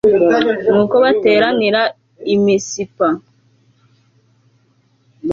nuko bateranira i misipa